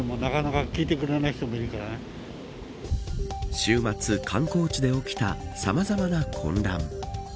週末、観光地で起きたさまざまな混乱。